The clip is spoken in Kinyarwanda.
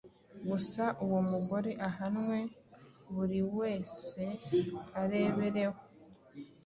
gusa uwo mugore ahanwe buri wese arebereho